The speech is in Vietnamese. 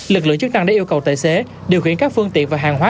lực lượng chức năng đã yêu cầu tài xế điều khiển các phương tiện và hàng hóa